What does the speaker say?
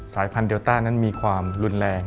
สายพันธุเดลต้านั้นมีความรุนแรง